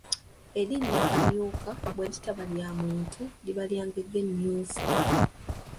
Erinnya Kamyuka bwe litaba lya muntu liba lya ngege myufu.